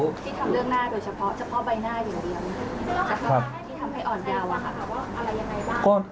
ที่ทำเรื่องหน้าโดยเฉพาะใบหน้าอย่างเดียวที่ทำให้อ่อนเยาวะค่ะ